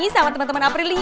sama temen temen aprilia